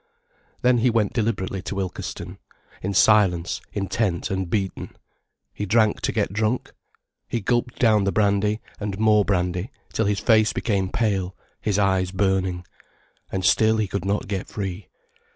Then he went deliberately to Ilkeston, in silence, intent and beaten. He drank to get drunk. He gulped down the brandy, and more brandy, till his face became pale, his eyes burning. And still he could not get free.